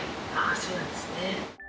そうなんですね。